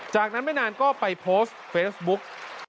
จากนั้นไม่นานก็ไปโพสต์เฟซบุ๊ก